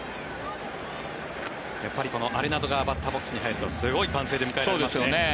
やっぱりアレナドがバッターボックスに入るとすごい歓声で迎えられますね。